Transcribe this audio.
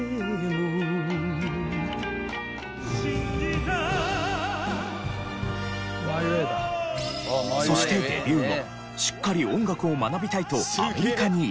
「信じたこの道を」そしてデビュー後しっかり音楽を学びたいとアメリカに移住。